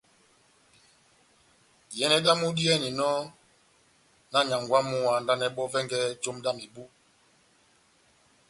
Iyɛnɛ dámu diyɛninɔmúna wa nyángwɛ wamu ahandanɛ bɔ́ vɛngɛ jomu dá mebu ,